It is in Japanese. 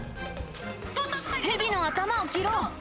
蛇の頭を切ろう。